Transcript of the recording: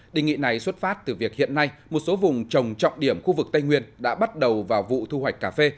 định nghị này xuất phát từ việc hiện nay một số vùng trồng trọng điểm khu vực tây nguyên đã bắt đầu vào vụ thu hoạch cà phê